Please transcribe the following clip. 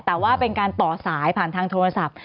แต่ว่าเป็นการต่อสายผ่านทางโทรศัพท์